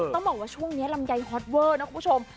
ต้องบอกว่าช่วงนี้ลำไยฮอตเวอร์นะคุณผู้ชม